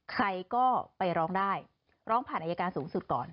ใครก็ไปร้องได้ร้องผ่านอายการสูงสุดก่อน